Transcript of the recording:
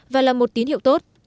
và là một tín hiệu tốt